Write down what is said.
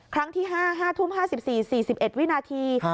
ครั้งที่๕๕ทุ่ม๕๔๔๑วินาที